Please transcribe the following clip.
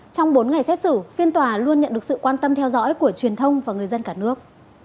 trong bốn ngày xét xử phiên tòa luôn nhận được sự quan tâm theo dõi của truyền thông và người dân cả nước